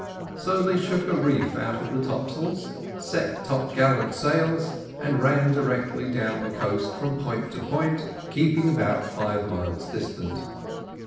So they shook a reef out of the top sails, set top gallant sails, and ran directly down the coast from point to point, keeping about five miles distant.